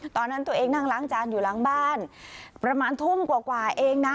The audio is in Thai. ตอนนั้นตัวเองนั่งล้างจานอยู่หลังบ้านประมาณทุ่มกว่าเองนะ